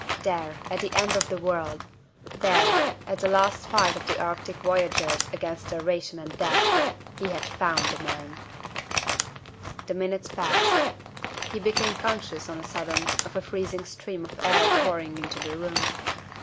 There, at the end of the world there, at the last fight of the Arctic voyagers against starvation and death, he had found the man! The minutes passed. He became conscious, on a sudden, of a freezing stream of air pouring into the room.